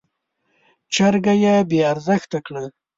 جرګه يې بې ارزښته کړه.